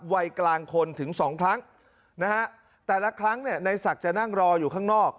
วัยกลางคนถึง๒ครั้งแต่ละครั้งในศักดิ์จะนั่งรออยู่ข้างนอก